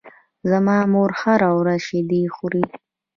زما مور هره ورځ شیدې خوري.